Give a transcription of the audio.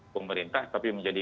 pemerintah tapi menjadi